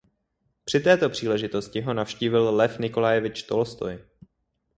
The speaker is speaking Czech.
Při této příležitosti ho navštívil Lev Nikolajevič Tolstoj.